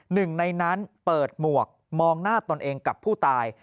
หนึ่งในนั้นเปิดหมวกมองหน้าตนเองกับผู้ตาย